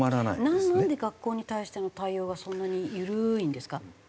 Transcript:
なんで学校に対しての対応がそんなに緩いんですか？